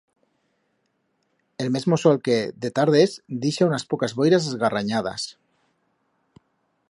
El mesmo sol que, de tardes, dixa unas pocas boiras esgarranyadas.